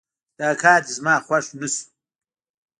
دا کار دې زما خوښ نه شو